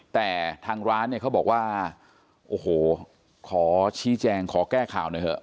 แต่ทางร้านเนี่ยเขาบอกว่าโอ้โหขอชี้แจงขอแก้ข่าวหน่อยเถอะ